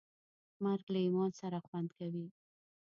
مرګ له ایمان سره خوند کوي.